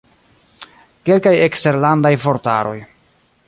Kelkaj eksterlandaj vortaroj.